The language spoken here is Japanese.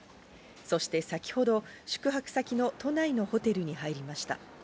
そして先ほど宿泊先の都内のホテルに入りました。